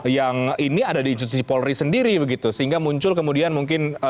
yang ini ada di institusi polri sendiri begitu sehingga muncul kemudian mungkin